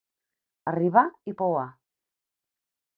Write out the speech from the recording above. Arribar i pouar.